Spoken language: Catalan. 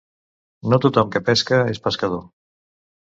No tothom que pesca és pescador.